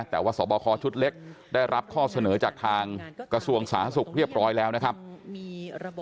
แต่ว่าสอบคอชุดเล็กได้รับข้อเสนอจากทางกระทรวงสาธารณสุขเรียบร้อยแล้วนะครับ